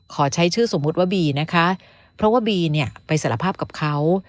ขอใช้ชื่อสมมุติว่าบีนะคะเพราะว่าบีเนี่ยไปสารภาพกับเขา